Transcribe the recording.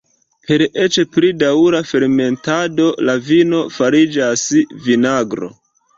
Per eĉ pli daŭra fermentado la vino fariĝas vinagro.